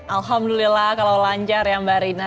alhamdulillah kalau lancar ya mbak rina